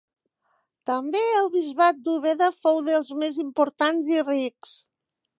També el bisbat d'Úbeda fou dels més importants i rics.